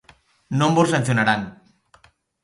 Non vos sancionarán.